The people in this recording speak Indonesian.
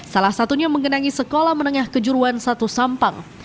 salah satunya mengenangi sekolah menengah kejuruan satu sampang